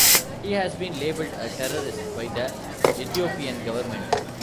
He has been labelled a terrorist by the Ethiopian government.